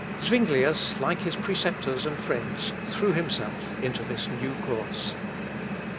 Zuinglius, like his preceptors and friends, threw himself into this new course.